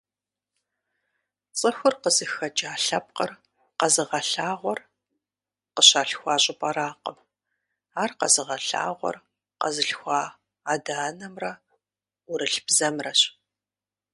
ЦӀыхур къызыхэкӀа лъэпкъыр къэзыгъэлъагъуэр къыщалъхуа щӀыпӀэракъым, ар къэзыгъэлъагъуэр къэзылъхуа адэ-анэмрэ ӏурылъ бзэмрэщ.